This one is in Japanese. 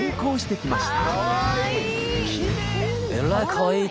かわいい！